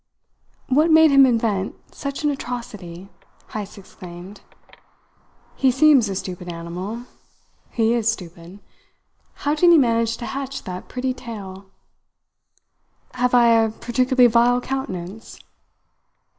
"What made him invent such an atrocity?" Heyst exclaimed. "He seems a stupid animal. He is stupid. How did he manage to hatch that pretty tale? Have I a particularly vile countenance?